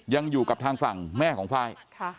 ยังอยู่กับทางฝั่งแม่ของไฟล์